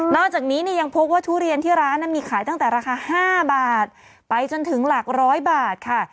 จากนี้เนี่ยยังพบว่าทุเรียนที่ร้านมีขายตั้งแต่ราคา๕บาทไปจนถึงหลักร้อยบาทค่ะ